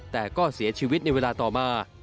แต่ก็เสียชีวิตในเวลาต่อมา